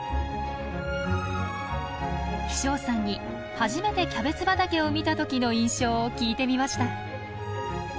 飛翔さんに初めてキャベツ畑を見た時の印象を聞いてみました。